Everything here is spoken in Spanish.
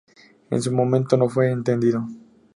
En su momento no fue entendido.